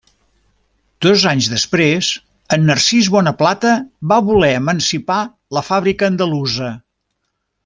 Dos anys després, en Narcís Bonaplata va voler emancipar la fàbrica andalusa.